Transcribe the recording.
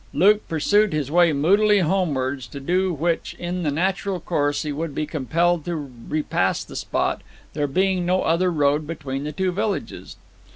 Luke pursued his way moodily homewards, to do which, in the natural course, he would be compelled to repass the spot, there being no other road between the two villages.